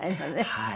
はい。